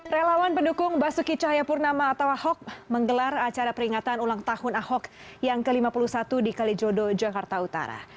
relawan pendukung basuki cahayapurnama atau ahok menggelar acara peringatan ulang tahun ahok yang ke lima puluh satu di kalijodo jakarta utara